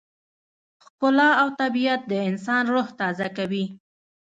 ښکلا او طبیعت د انسان روح تازه کوي.